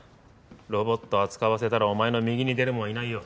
ロボット扱わせたらお前の右に出る者はいないよ。